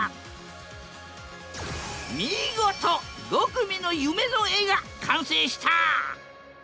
見事５組の夢の絵が完成した！